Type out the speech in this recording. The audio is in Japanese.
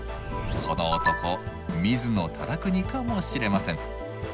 この男水野忠邦かもしれません。